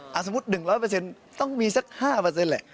สมมุติ๑๐๐ต้องมีสัก๕แหละ